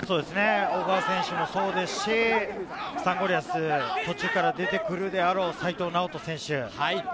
小川選手もそうですし、サンゴリアスは途中から出てくるであろう齋藤直人選手。